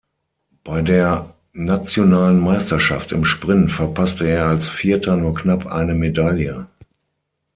Bei der nationalen Meisterschaft im Sprint verpasste er als Vierter nur knapp eine Medaille.